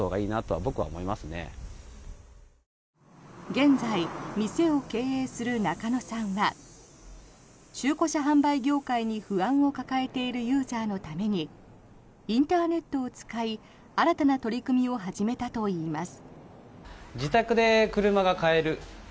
現在、店を経営する中野さんは中古車販売業界に不安を抱えているユーザーのためにインターネットを使い新たな取り組みを始めたと言います。